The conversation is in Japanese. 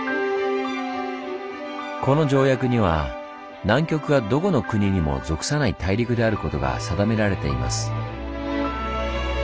この条約には南極がどこの国にも属さない大陸であることが定められています。